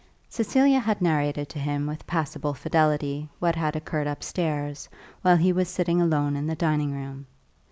Cecilia had narrated to him with passable fidelity what had occurred upstairs, while he was sitting alone in the dining room.